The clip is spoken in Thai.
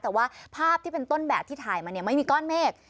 แต่ว่าภาพที่เป็นต้นแบบที่ถ่ายมาเนี่ยไม่มีก้อนเมฆ